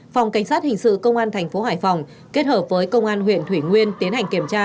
phòng cảnh sát hình sự công an thành phố hải phòng kết hợp với công an huyện thủy nguyên tiến hành kiểm tra